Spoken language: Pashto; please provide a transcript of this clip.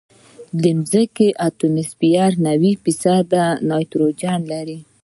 د ځمکې اتموسفیر نوي فیصده نایټروجن لري.